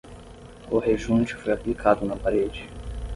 O rejunte foi aplicado na parede